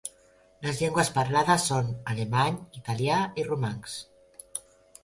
Les llengües parlades són: alemany, italià i romanx.